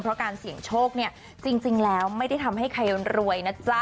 เพราะการเสี่ยงโชคเนี่ยจริงแล้วไม่ได้ทำให้ใครรวยนะจ๊ะ